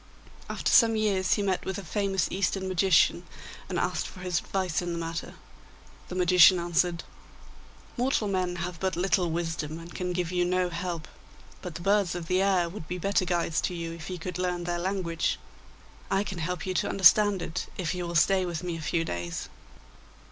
After some years he met with a famous Eastern magician, and asked for his advice in the matter. The magician answered: 'Mortal men have but little wisdom, and can give you no help, but the birds of the air would be better guides to you if you could learn their language. I can help you to understand it if you will stay with me a few days.